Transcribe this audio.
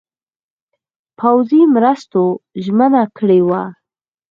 پوځي مرستو ژمنه کړې وه.